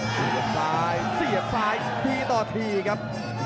เสียบซ้ายเสียบซ้ายทีต่อทีครับ